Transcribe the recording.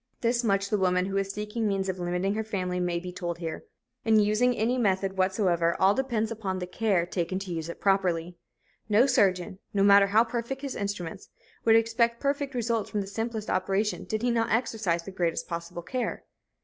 This much the woman who is seeking means of limiting her family may be told here. In using any method, whatsoever, all depends upon the care taken to use it properly. No surgeon, no matter how perfect his instruments, would expect perfect results from the simplest operation did he not exercise the greatest possible care.